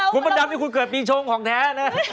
คุณมดดำนี่คุณเกิดปีชงของแท้นะ